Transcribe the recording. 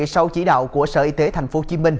sau chỉ đạo của sở y tế tp hcm